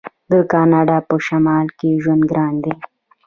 د کاناډا په شمال کې ژوند ګران دی.